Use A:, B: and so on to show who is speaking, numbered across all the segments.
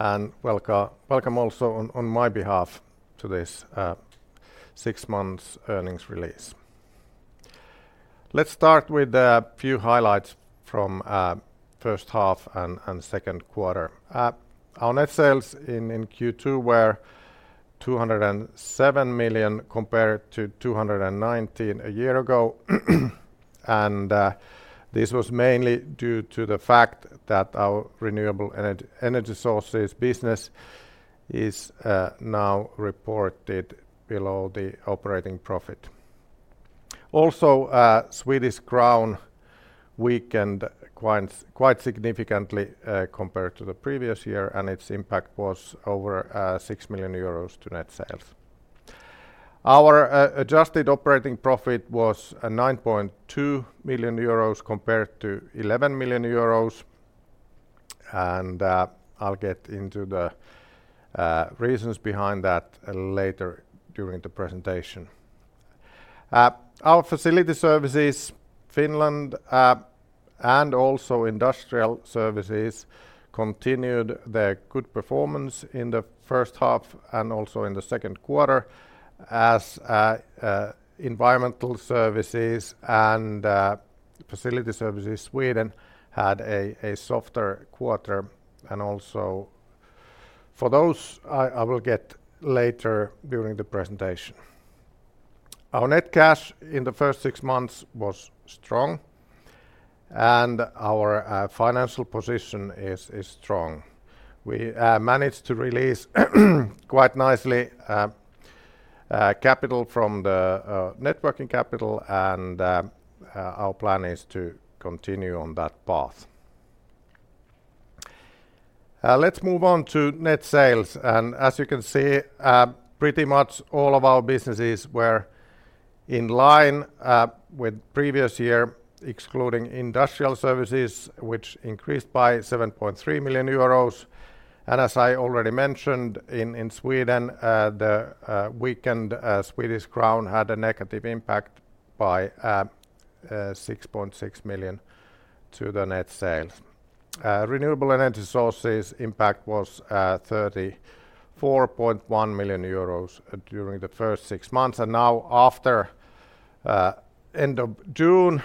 A: Welcome also on my behalf to this six months earnings release. Let's start with a few highlights from first half and Q2. Our net sales in Q2 were 207 million compared to 219 a year ago. This was mainly due to the fact that our renewable energy sources business is now reported below the operating profit. Swedish crown weakened quite significantly compared to the previous year, and its impact was over 6 million euros to net sales. Our adjusted operating profit was 9.2 million euros compared to 11 million euros. I'll get into the reasons behind that a little later during the presentation. Our facility services, Finland, and also industrial services, continued their good performance in the first half and also in the Q2 as environmental services and facility services Sweden had a softer quarter. Also for those, I will get later during the presentation. Our net cash in the first six months was strong, and our financial position is strong. We managed to release quite nicely capital from the net working capital, and our plan is to continue on that path. Let's move on to net sales, as you can see, pretty much all of our businesses were in line with previous year, excluding industrial services, which increased by 7.3 million euros. As I already mentioned, in Sweden, the weakened Swedish crown had a negative impact by 6.6 million to the net sales. Renewable energy sources impact was 34.1 million euros during the first six months, and now after end of June,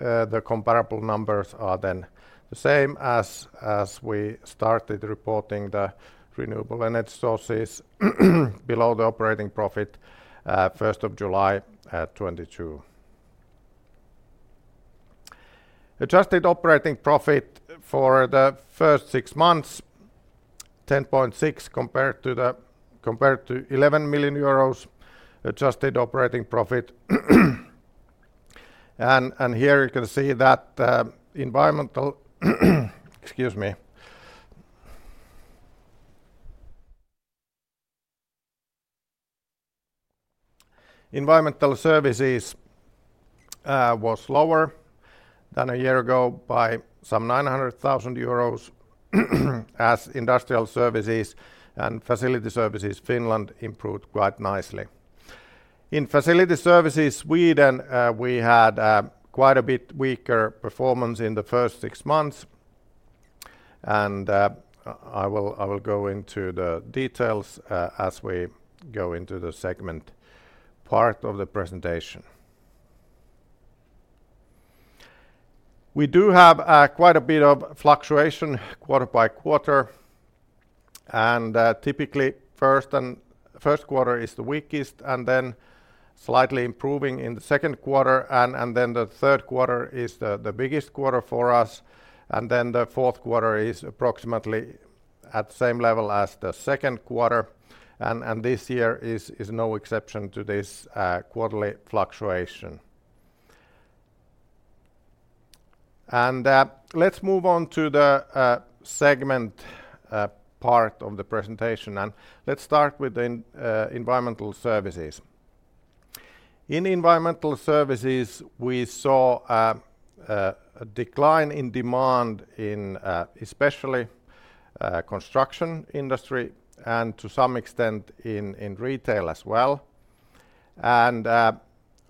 A: the comparable numbers are then the same as we started reporting the renewable energy sources below the operating profit, first of July at 2022. Adjusted operating profit for the first six months, 10.6 million compared to 11 million euros adjusted operating profit. And here you can see that environmental, excuse me. Environmental services was lower than a year ago by some 900,000 euros, as industrial services and facility services, Finland improved quite nicely. In facility services, Sweden, we had quite a bit weaker performance in the first six months and I will go into the details as we go into the segment part of the presentation. We do have quite a bit of fluctuation quarter by quarter, and typically, Q1 is the weakest, and then slightly improving in the Q2, and then the Q3 is the biggest quarter for us, and then the Q4 is approximately at the same level as the Q2. This year is no exception to this quarterly fluctuation. Let's move on to the segment part of the presentation, and let's start with the environmental services. In environmental services, we saw a decline in demand in especially construction industry and to some extent in retail as well.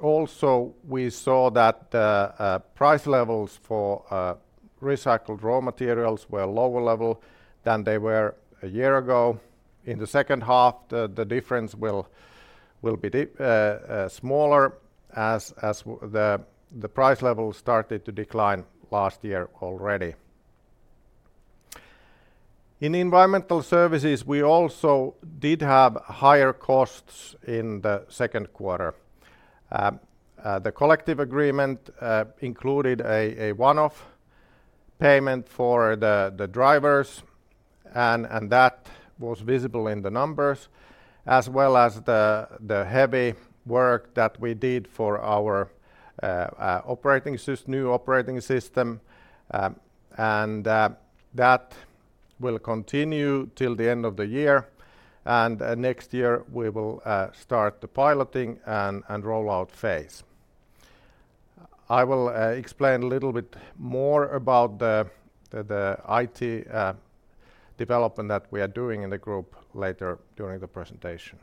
A: Also we saw that the price levels for recycled raw materials were lower level than they were a year ago. In the second half, the difference will be smaller as the price level started to decline last year already. In environmental services, we also did have higher costs in the Q2. The collective agreement included a one-off payment for the drivers and that was visible in the numbers, as well as the heavy work that we did for our new operating system. That will continue till the end of the year, and next year we will start the piloting and rollout phase. I will explain a little bit more about the IT development that we are doing in the group later during the presentation.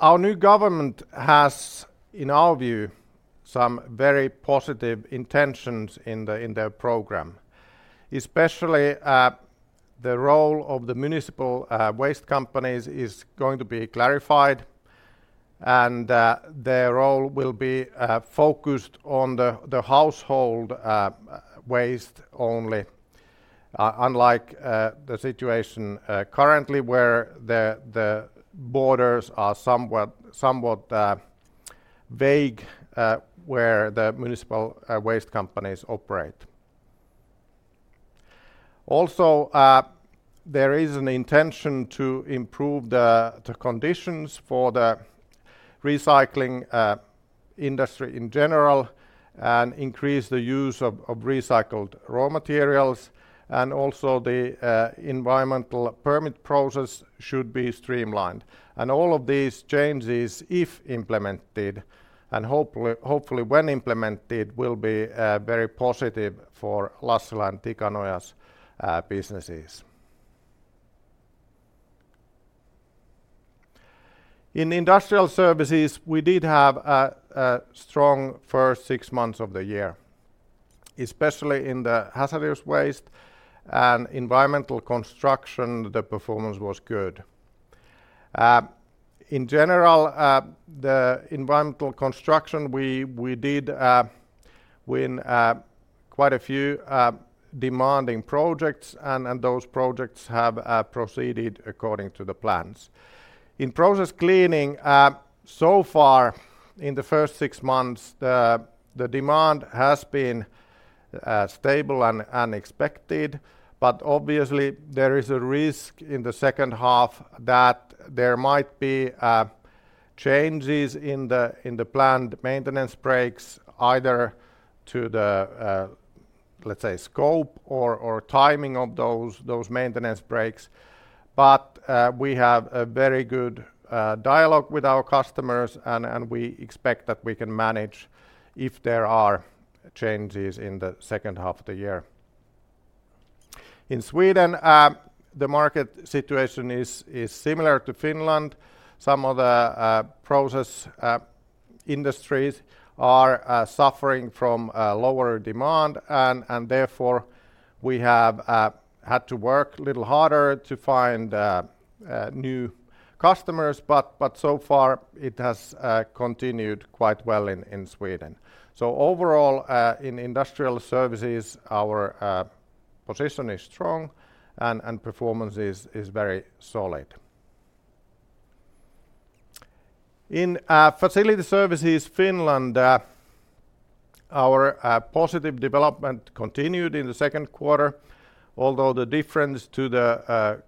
A: Our new government has, in our view, some very positive intentions in their program. Especially, the role of the municipal waste companies is going to be clarified, and their role will be focused on the household waste only. Unlike the situation currently, where the borders are somewhat vague, where the municipal waste companies operate. Also, there is an intention to improve the conditions for the recycling industry in general and increase the use of recycled raw materials, and also the environmental permit process should be streamlined. All of these changes, if implemented, and hopefully when implemented, will be very positive for Lassila & Tikanoja's businesses. In industrial services, we did have a strong first six months of the year, especially in the hazardous waste and environmental construction, the performance was good. In general, the environmental construction, we did win quite a few demanding projects, and those projects have proceeded according to the plans. In process cleaning, so far in the first six months, the demand has been stable and expected, but obviously there is a risk in the second half that there might be changes in the planned maintenance breaks, either to the, let's say, scope or timing of those maintenance breaks. We have a very good dialogue with our customers, and we expect that we can manage if there are changes in the second half of the year. In Sweden, the market situation is similar to Finland. Some of the process industries are suffering from lower demand, and therefore, we have had to work a little harder to find new customers, but so far it has continued quite well in Sweden. Overall, in industrial services, our position is strong and performance is very solid. In facility services, Finland, our positive development continued in the Q2, although the difference to the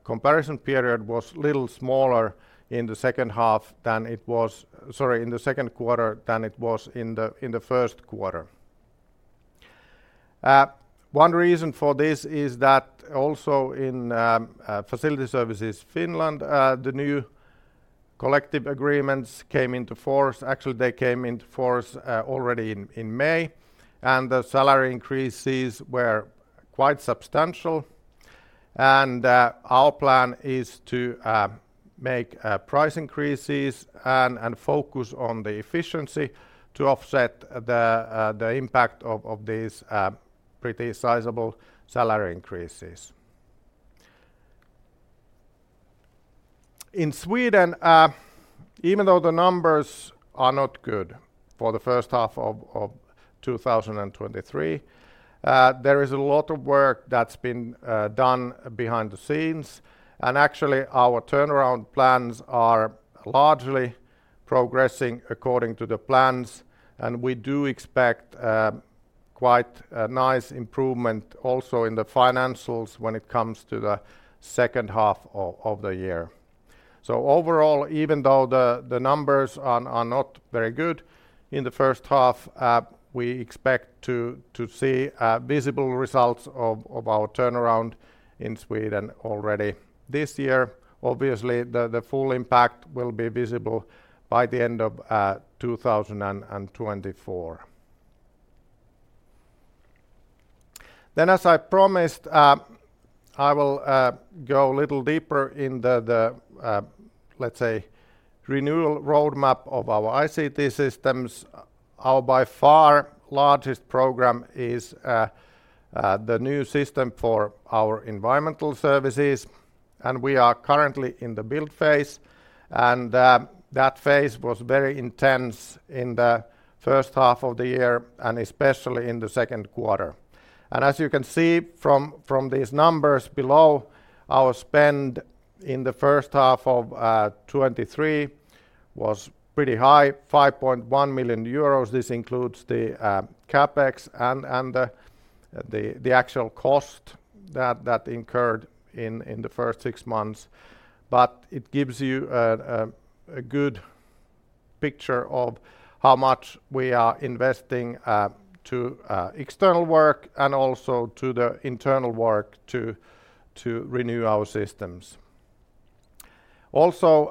A: comparison period was a little smaller in the second half than it was. Sorry, in the Q2 than it was in the Q1. One reason for this is that also in facility services Finland, the new collective agreements came into force. Actually, they came into force already in May, and the salary increases were quite substantial. Our plan is to make price increases and focus on the efficiency to offset the impact of these pretty sizable salary increases. In Sweden, even though the numbers are not good for the first half of 2023, there is a lot of work that's been done behind the scenes, and actually, our turnaround plans are largely progressing according to the plans, and we do expect quite a nice improvement also in the financials when it comes to the second half of the year. Overall, even though the numbers are not very good in the first half, we expect to see visible results of our turnaround in Sweden already this year. Obviously, the full impact will be visible by the end of 2024. As I promised, I will go a little deeper in the let's say, renewal roadmap of our ICT systems. Our by far largest program is the new system for our environmental services. We are currently in the build phase, and that phase was very intense in the first half of the year, especially in the Q2. As you can see from these numbers below, our spend in the first half of 2023 was pretty high, 5.1 million euros. This includes the CapEx and the actual cost that incurred in the first six months. It gives you a good picture of how much we are investing to external work and also to the internal work to renew our systems. Also,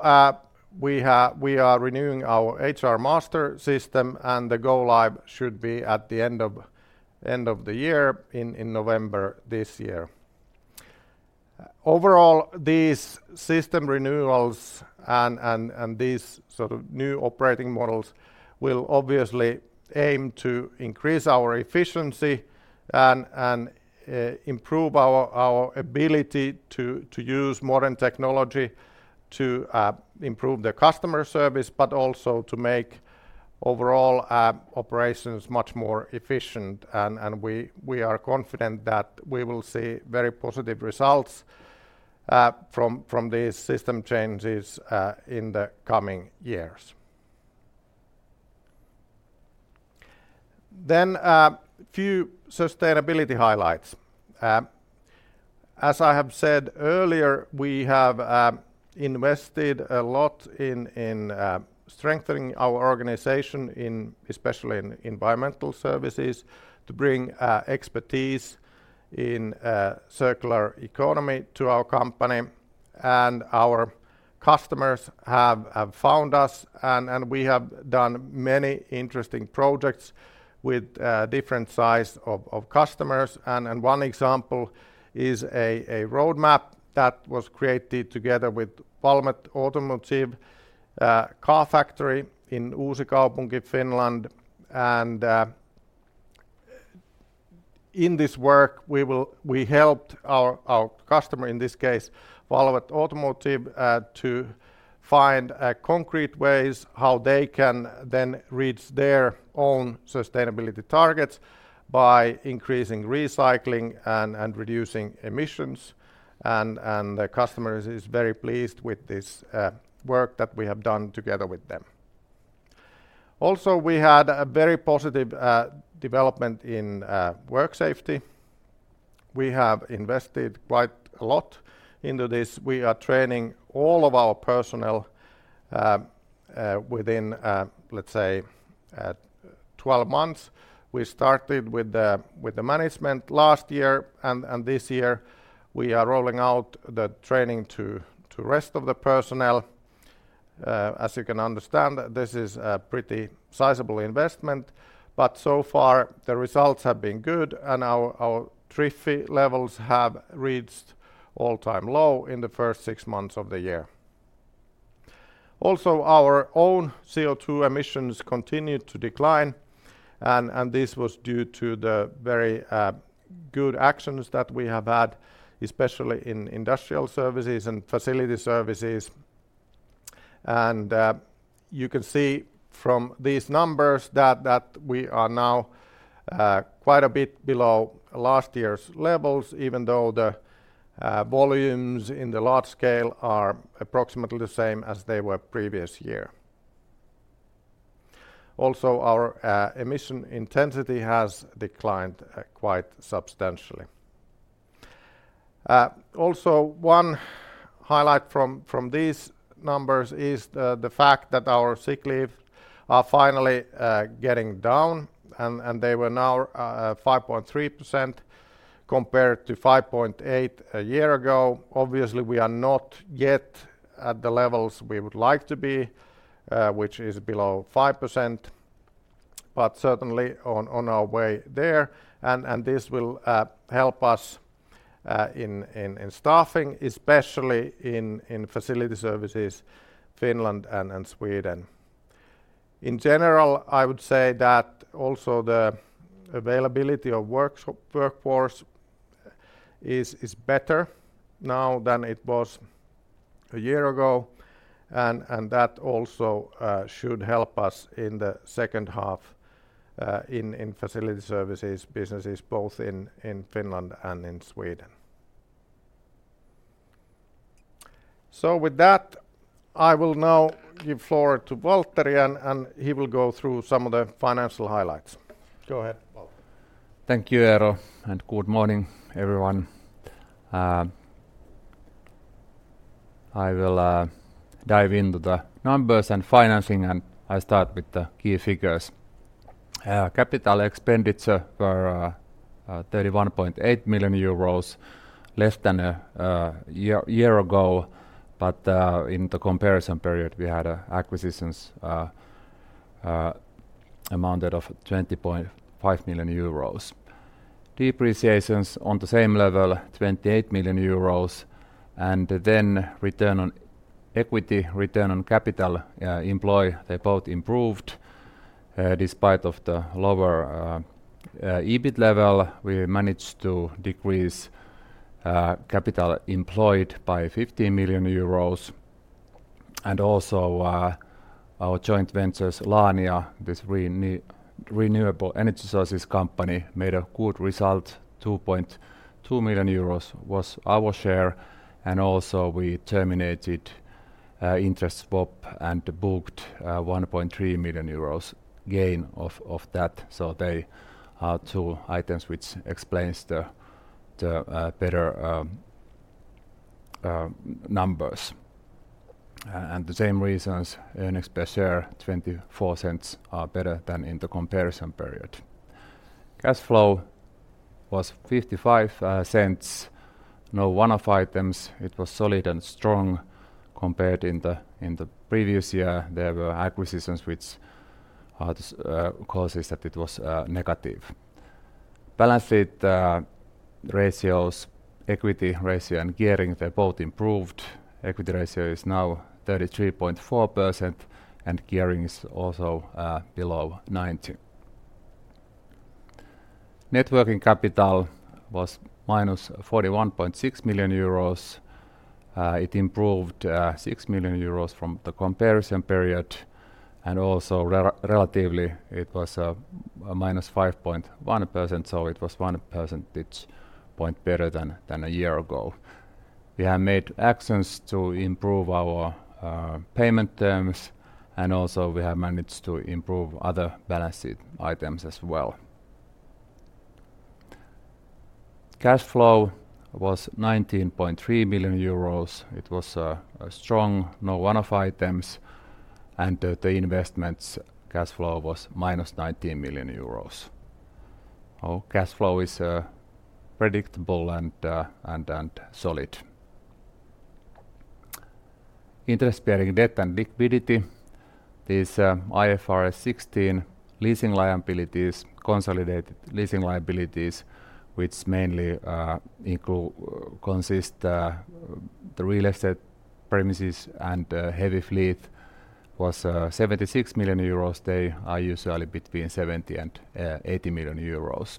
A: we are renewing our HR master system, and the go live should be at the end of the year in November this year. Overall, these system renewals and these sort of new operating models will obviously aim to increase our efficiency and improve our ability to use modern technology to improve the customer service, but also to make overall operations much more efficient. We are confident that we will see very positive results from these system changes in the coming years. Few sustainability highlights. As I have said earlier, we have invested a lot in strengthening our organization especially in environmental services, to bring expertise in circular economy to our company. Our customers have found us, and we have done many interesting projects with different size of customers. One example is a roadmap that was created together with Valmet Automotive car factory in Uusikaupunki, Finland. In this work, we helped our customer, in this case, Valmet Automotive, to find concrete ways how they can then reach their own sustainability targets by increasing recycling and reducing emissions. The customer is very pleased with this work that we have done together with them. Also, we had a very positive development in work safety. We have invested quite a lot into this. We are training all of our personnel within, let's say, 12 months. We started with the management last year, and this year, we are rolling out the training to rest of the personnel. As you can understand, this is a pretty sizable investment, but so far the results have been good, and our TRIF levels have reached all-time low in the first six months of the year. Our own CO2 emissions continued to decline, and this was due to the very good actions that we have had, especially in industrial services and facility services. You can see from these numbers that we are now quite a bit below last year's levels, even though the volumes in the large scale are approximately the same as they were previous year. Our emission intensity has declined quite substantially. Also one highlight from these numbers is the fact that our sick leave are finally getting down, and they were now 5.3% compared to 5.8% a year ago. Obviously, we are not yet at the levels we would like to be, which is below 5%, but certainly on our way there. This will help us in staffing, especially in facility services, Finland and Sweden. In general, I would say that also the availability of workforce is better now than it was a year ago, and that also should help us in the second half in facility services businesses, both in Finland and in Sweden. With that, I will now give floor to Valtteri, and he will go through some of the financial highlights. Go ahead, Valtteri.
B: Thank you, Eero. Good morning, everyone. I will dive into the numbers and financing. I start with the key figures. CapEx were 31.8 million euros, less than a year ago. In the comparison period, we had acquisitions amounted of 20.5 million euros. Depreciations on the same level, 28 million euros. Return on equity, return on capital employed, they both improved. Despite of the lower EBIT level, we managed to decrease capital employed by 15 million euros. Also, our joint ventures, Laania, this renewable energy sources company, made a good result, 2.2 million euros was our share. Also, we terminated interest rate swap and booked 1.3 million euros gain of that. They are two items which explains the better numbers. The same reasons, earnings per share, 0.24 are better than in the comparison period. Cash flow was 0.55. No one-off items, it was solid and strong compared in the previous year, there were acquisitions which cause is that it was negative. Balance sheet ratios, equity ratio, and gearing, they both improved. Equity ratio is now 33.4%, and gearing is also below 90. Net working capital was -41.6 million euros. It improved 6 million euros from the comparison period, and also relatively, it was -5.1%, so it was 1 percentage point better than a year ago. We have made actions to improve our payment terms. Also we have managed to improve other balance sheet items as well. Cash flow was 19.3 million euros. It was a strong, no one-off items, and the investments cash flow was minus 19 million euros. Our cash flow is predictable and solid. Interest-bearing debt and liquidity is IFRS 16, leasing liabilities, consolidated leasing liabilities, which mainly consist the real estate premises and heavy fleet, was 76 million euros. They are usually between 70 million and 80 million euros.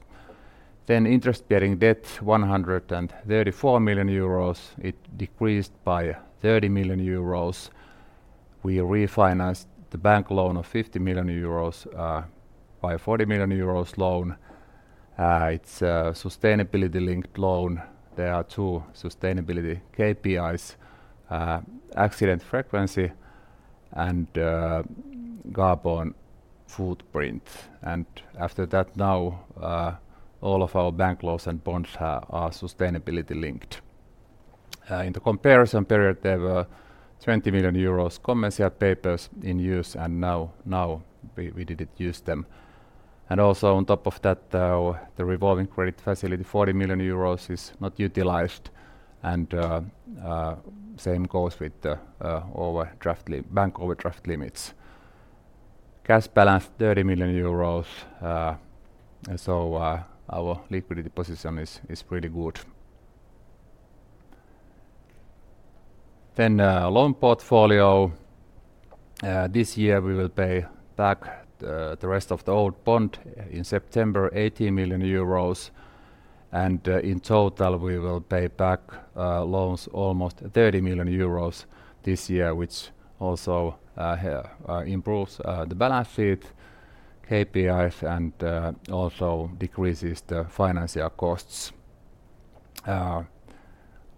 B: Interest-bearing debt, 134 million euros, it decreased by 30 million euros. We refinanced the bank loan of 50 million euros by a 40 million euros loan. It's a sustainability-linked loan. There are two sustainability KPIs: accident frequency and carbon footprint. After that, now all of our bank loans and bonds are sustainability-linked. In the comparison period, there were 20 million euros commercial papers in use, and now we didn't use them. Also on top of that, the revolving credit facility, 40 million euros, is not utilized, and same goes with the bank overdraft limits. Cash balance, 30 million euros. Our liquidity position is pretty good. Loan portfolio. This year we will pay back the rest of the old bond in September, 80 million euros. In total, we will pay back loans almost 30 million euros this year, which also improves the balance sheet KPIs and also decreases the financial costs.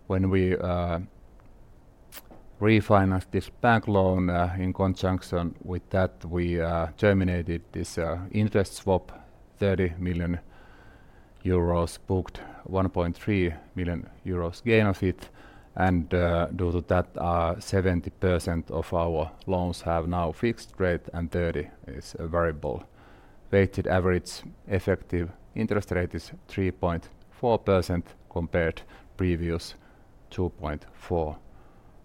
B: When we refinanced this bank loan, in conjunction with that, we terminated this interest swap, 30 million euros, booked 1.3 million euros gain of it. Due to that, 70% of our loans have now fixed rate and 30% is variable. Weighted average effective interest rate is 3.4%, compared previous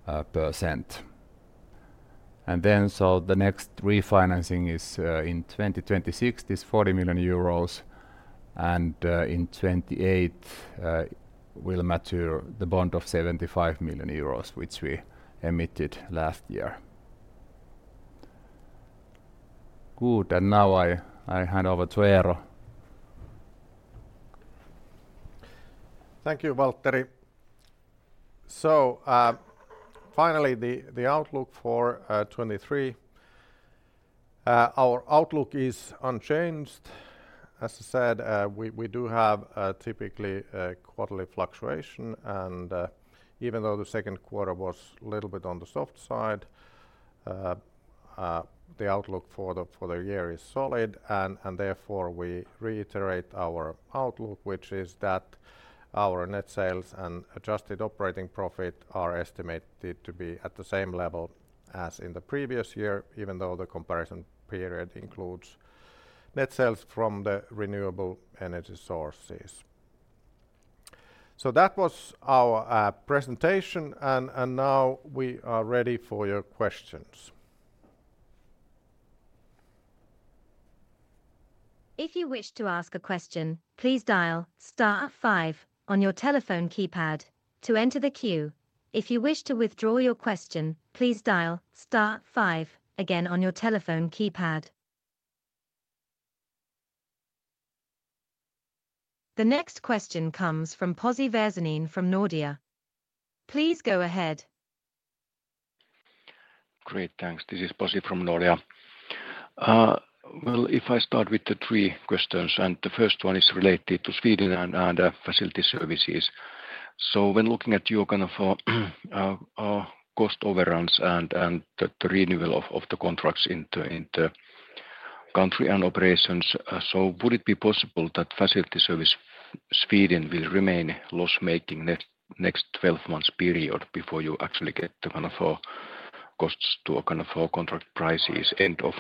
B: 2.4%. The next refinancing is in 2026, this 40 million euros, and in 2028 will mature the bond of 75 million euros, which we emitted last year. Now I hand over to Eero.
A: Thank you, Valtteri. Finally, the outlook for 23. Our outlook is unchanged. As I said, we do have typically a quarterly fluctuation, and even though the Q2 was a little bit on the soft side, the outlook for the year is solid. Therefore, we reiterate our outlook, which is that our net sales and adjusted operating profit are estimated to be at the same level as in the previous year, even though the comparison period includes net sales from the renewable energy sources. That was our presentation, and now we are ready for your questions.
C: If you wish to ask a question, please dial star five on your telephone keypad to enter the queue. If you wish to withdraw your question, please dial star five again on your telephone keypad. The next question comes from Pasi Väisänen from Nordea. Please go ahead.
D: Great, thanks. This is Pasi from Nordea. Well, if I start with the three questions, the first one is related to Sweden and facility services. When looking at your kind of cost overruns and the renewal of the contracts in the country and operations, would it be possible that facility service Sweden will remain loss-making next 12 months period before you actually get the kind of costs to a kind of contract prices end of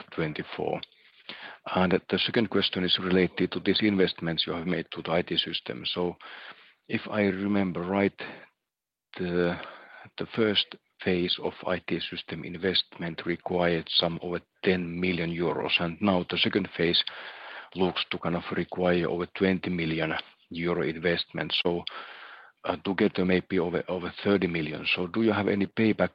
D: 2024? The second question is related to these investments you have made to the IT system. If I remember right, the first phase of IT system investment required some over 10 million euros, now the second phase looks to kind of require over 20 million euro investment. Together maybe over 30 million. Do you have any payback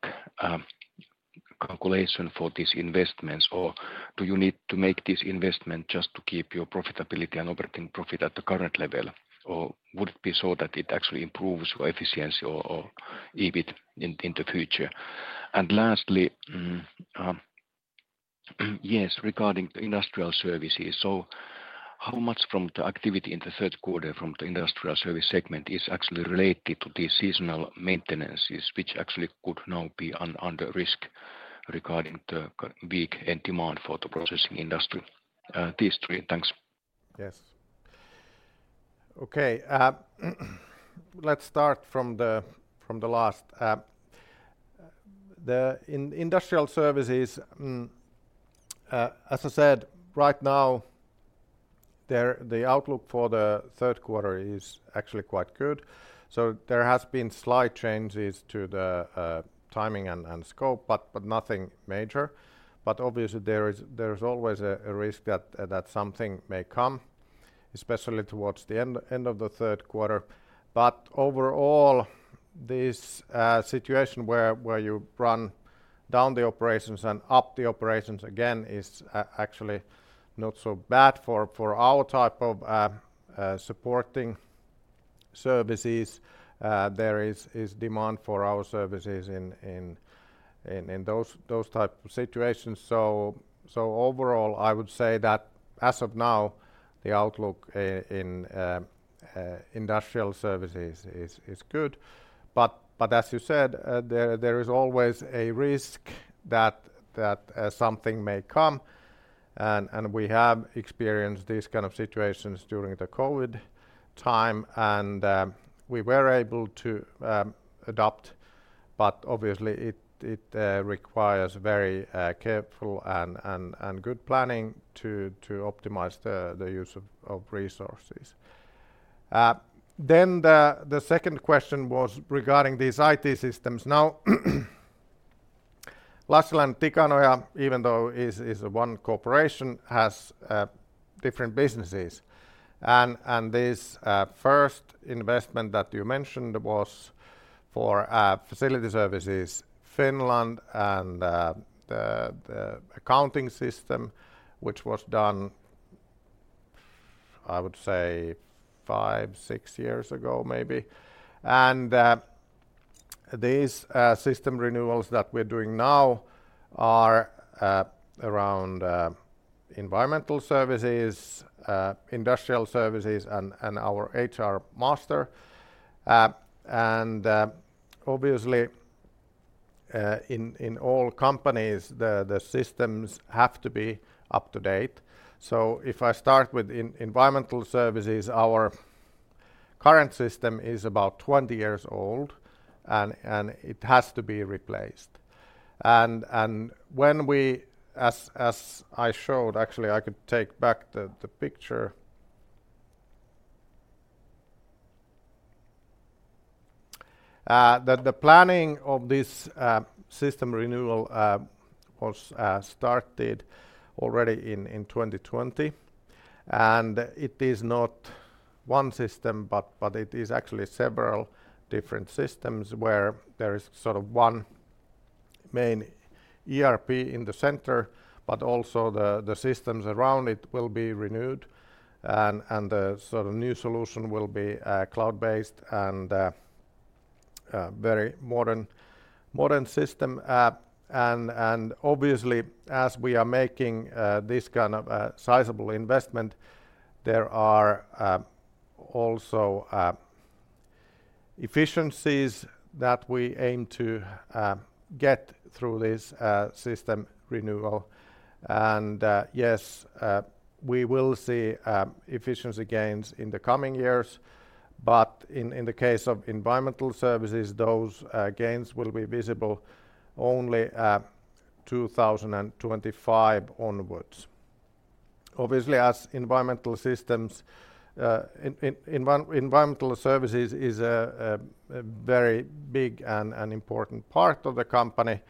D: calculation for these investments, or do you need to make this investment just to keep your profitability and operating profit at the current level? Or would it be so that it actually improves your efficiency or EBIT in the future? Lastly, yes, regarding industrial services, so how much from the activity in the Q3 from the industrial service segment is actually related to the seasonal maintenances, which actually could now be under risk regarding the weak end demand for the processing industry? These three. Thanks.
A: Yes. Okay, let's start from the last. The industrial services, as I said, right now, the outlook for the Q3 is actually quite good. There has been slight changes to the timing and scope, but nothing major. Obviously, there is always a risk that something may come, especially towards the end of the Q3. Overall, this situation where you run down the operations and up the operations again, is actually not so bad for our type of supporting services. There is demand for our services in those type of situations. Overall, I would say that as of now, the outlook in industrial services is good. As you said, there is always a risk that something may come, and we have experienced these kind of situations during the COVID time and we were able to adapt. Obviously, it requires very careful and good planning to optimize the use of resources. Then the second question was regarding these IT systems. Lassila & Tikanoja, even though is one corporation, has different businesses. This first investment that you mentioned was for facility services Finland and the accounting system, which was done., I would say five, six years ago, maybe. These system renewals that we're doing now are around environmental services, industrial services, and our HR master. Obviously, in all companies, the systems have to be up to date. If I start with environmental services, our current system is about 20 years old, and it has to be replaced. As I showed, actually, I could take back the picture. The planning of this system renewal was started already in 2020, and it is not one system, but it is actually several different systems, where there is sort of one main ERP in the center, but also the systems around it will be renewed, and the sort of new solution will be cloud-based and a very modern system. Obviously, as we are making this kind of sizable investment, there are also efficiencies that we aim to get through this system renewal. Yes, we will see efficiency gains in the coming years, but in the case of environmental services, those gains will be visible only 2025 onwards. Obviously, as environmental systems, environmental services is a very big and an important part of the company,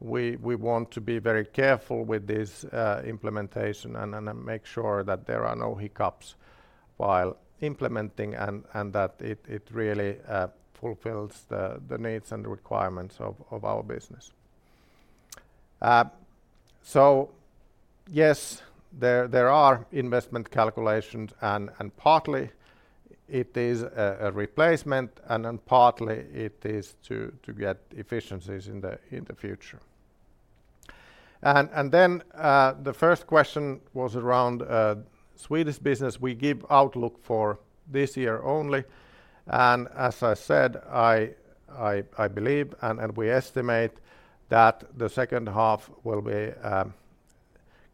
A: we want to be very careful with this implementation and make sure that there are no hiccups while implementing, and that it really fulfills the needs and requirements of our business. Yes, there are investment calculations, and partly it is a replacement, and then partly it is to get efficiencies in the future. The first question was around Swedish business. We give outlook for this year only, and as I said, I believe, and we estimate that the second half will be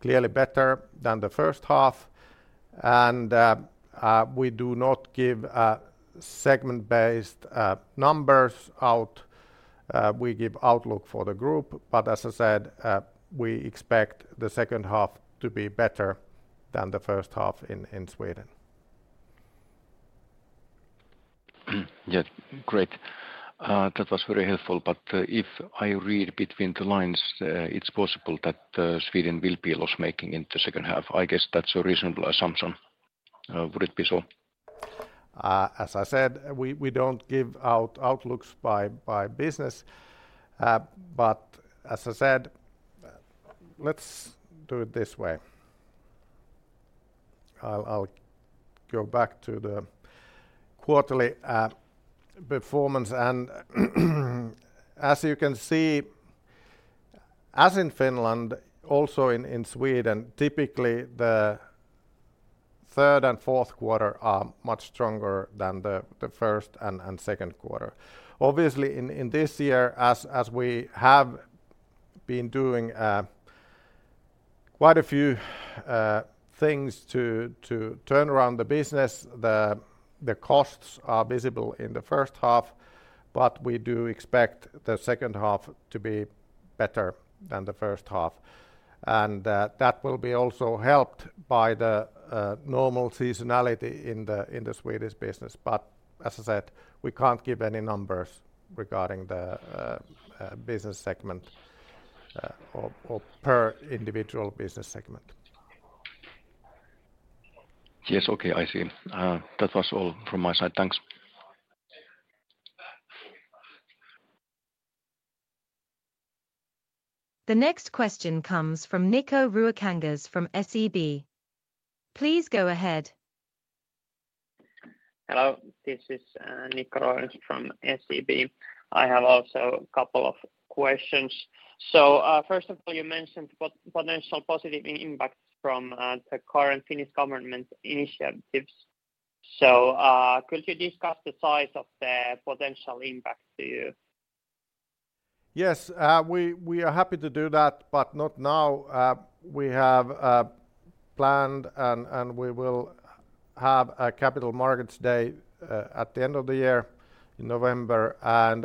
A: clearly better than the first half. We do not give segment-based numbers out. We give outlook for the group, but as I said, we expect the second half to be better than the first half in Sweden.
D: Yeah, great. That was very helpful. If I read between the lines, it's possible that Sweden will be loss-making in the second half. I guess that's a reasonable assumption. Would it be so?
A: As I said, we don't give out outlooks by business. As I said, let's do it this way. I'll go back to the quarterly performance and as you can see, as in Finland, also in Sweden, typically, the third and Q4 are much stronger than the first and Q2. Obviously, in this year, as we have been doing quite a few things to turn around the business, the costs are visible in the first half, but we do expect the second half to be better than the first half. That will be also helped by the normal seasonality in the Swedish business. As I said, we can't give any numbers regarding the business segment, or per individual business segment.
D: Yes, okay, I see. That was all from my side. Thanks.
C: The next question comes from Nikko Ruokangas from SEB. Please go ahead.
E: Hello, this is Nikko Ruokangas from SEB. I have also a couple of questions. First of all, you mentioned potential positive impacts from the current Finnish government initiatives. Could you discuss the size of the potential impact to you?
A: Yes, we are happy to do that, but not now. We have planned, and we will have a Capital Markets Day at the end of the year in November, and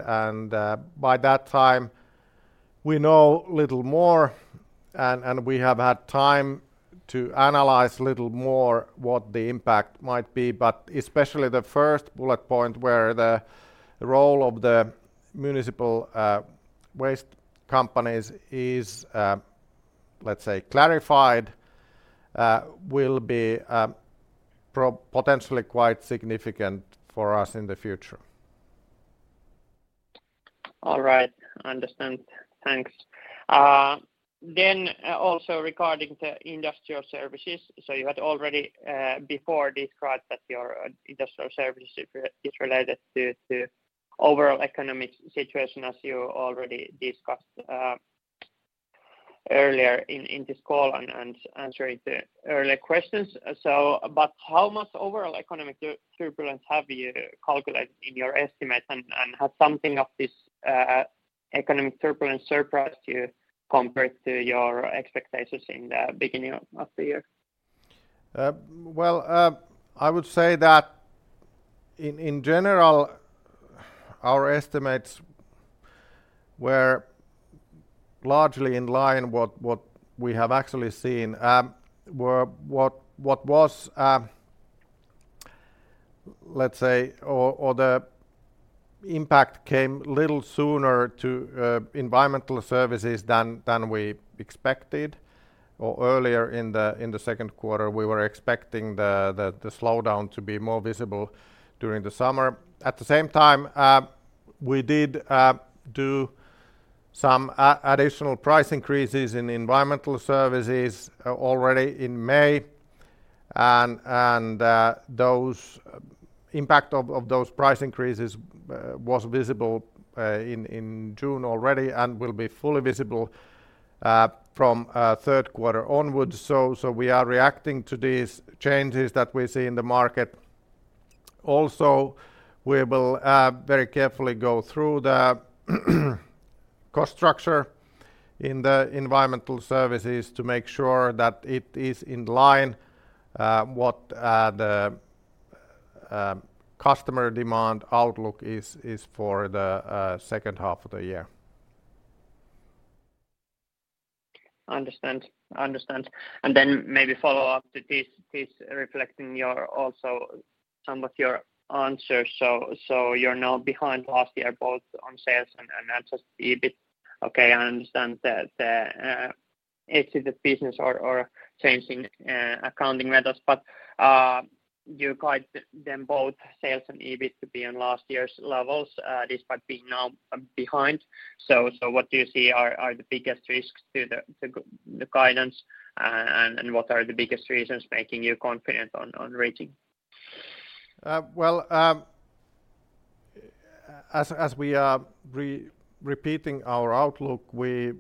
A: by that time, we know little more, and we have had time to analyze little more what the impact might be. Especially the first bullet point, where the role of the municipal waste companies is, let's say, clarified, will be potentially quite significant for us in the future.
E: All right. I understand. Thanks. Also regarding the industrial services, you had already before described that your industrial services is related to the overall economic situation, as you already discussed earlier in this call and answering the earlier questions. But how much overall economic turbulence have you calculated in your estimate? Has something of this economic turbulence surprised you compared to your expectations in the beginning of the year?
A: Well, I would say that in general, our estimates were largely in line what we have actually seen. Were what was, let's say, or the impact came a little sooner to environmental services than we expected, or earlier in the Q2, we were expecting the slowdown to be more visible during the summer. At the same time, we did do some additional price increases in environmental services already in May, and those impact of those price increases was visible in June already and will be fully visible from Q3 onwards. We are reacting to these changes that we see in the market. Also, we will very carefully go through the cost structure in the environmental services to make sure that it is in line, what the customer demand outlook is for the second half of the year.
E: Understand. Understand. Maybe follow up to this reflecting your also some of your answers. You're now behind last year, both on sales and also EBIT. Okay, I understand that the edge of the business or changing accounting methods, but you guide them both sales and EBIT to be on last year's levels despite being now behind. What do you see are the biggest risks to the guidance, and what are the biggest reasons making you confident on rating?
A: Well, as as we are repeating our outlook, we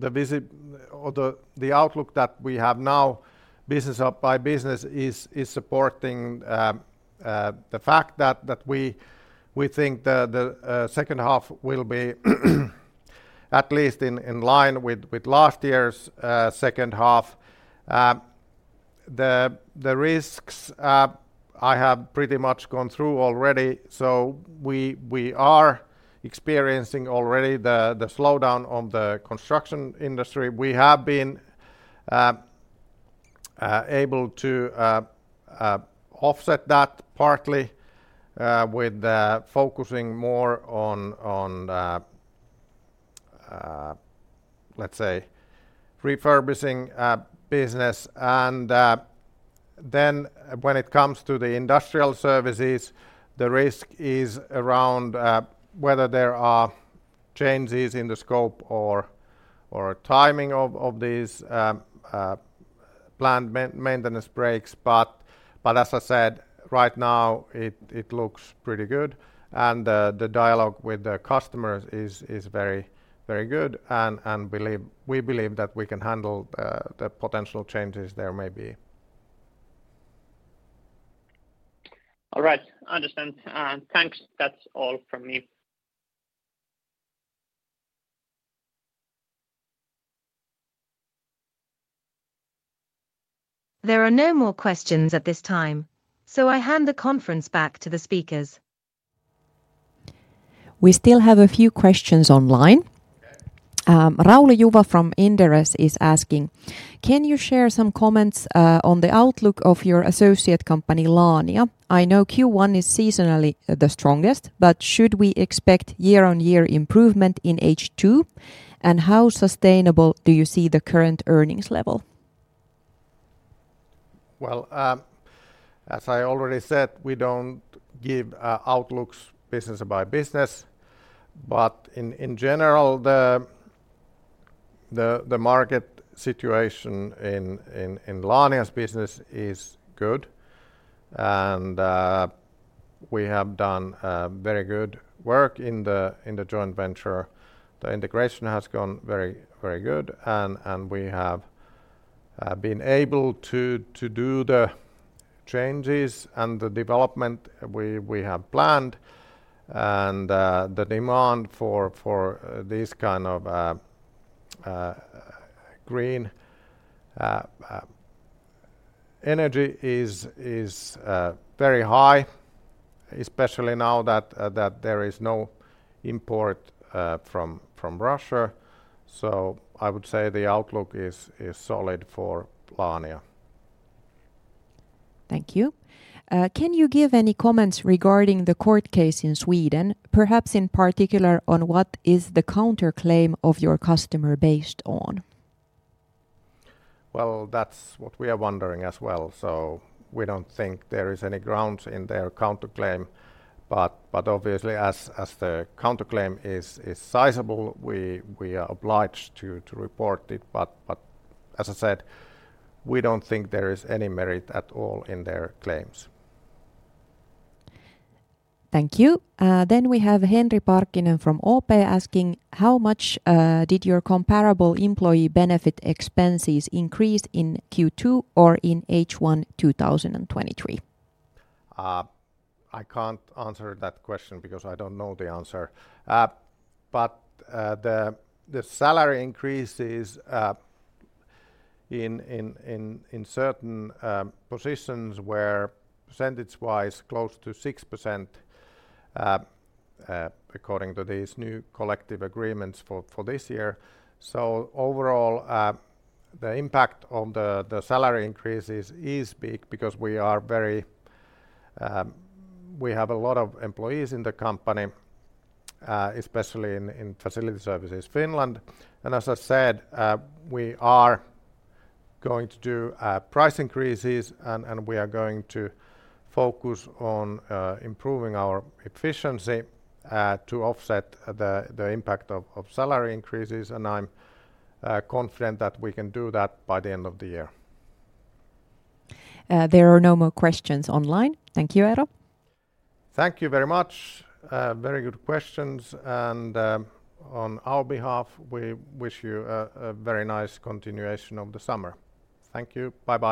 A: the outlook that we have now, business by business is supporting the fact that we think the second half will be at least in line with last year's second half. The risks I have pretty much gone through already, so we are experiencing already the slowdown on the construction industry. We have been able to offset that partly with focusing more on let's say, refurbishing business. Then when it comes to the industrial services, the risk is around whether there are changes in the scope or timing of these planned maintenance breaks. As I said, right now, it looks pretty good, and the dialogue with the customers is very, very good. We believe that we can handle the potential changes there may be.
E: All right. Understand. Thanks. That's all from me.
C: There are no more questions at this time, so I hand the conference back to the speakers.
F: We still have a few questions online. Rauli Juva from Inderes is asking: "Can you share some comments on the outlook of your associate company, Laania? I know Q1 is seasonally the strongest, but should we expect year-on-year improvement in H2, and how sustainable do you see the current earnings level?
A: Well, as I already said, we don't give outlooks business by business. In general, the market situation in Laania's business is good, and we have done very good work in the joint venture. The integration has gone very good, and we have been able to do the changes and the development we have planned. The demand for this kind of green energy is very high, especially now that there is no import from Russia. I would say the outlook is solid for Laania.
F: Thank you. Can you give any comments regarding the court case in Sweden, perhaps in particular, on what is the counterclaim of your customer based on?
A: That's what we are wondering as well. We don't think there is any grounds in their counterclaim. Obviously, as the counterclaim is sizable, we are obliged to report it. As I said, we don't think there is any merit at all in their claims.
F: Thank you. We have Henri Parkkinen from OP asking: "How much did your comparable employee benefit expenses increase in Q2 or in H1 2023?
A: I can't answer that question because I don't know the answer. But the salary increase is in certain positions where percentage-wise, close to 6% according to these new collective agreements for this year. Overall, the impact on the salary increases is big because we have a lot of employees in the company, especially in Facility Services Finland. As I said, we are going to do price increases, and we are going to focus on improving our efficiency to offset the impact of salary increases, and I'm confident that we can do that by the end of the year.
F: There are no more questions online. Thank you, Eero.
A: Thank you very much. Very good questions. On our behalf, we wish you a very nice continuation of the summer. Thank you. Bye-bye.